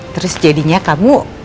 terus jadinya kamu